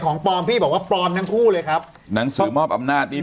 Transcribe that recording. ของปลอมพี่บอกว่าปลอมทั้งคู่เลยครับหนังสือมอบอำนาจนี่